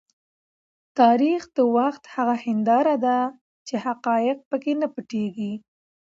تاریخ د وخت هغه هنداره ده چې حقایق په کې نه پټیږي.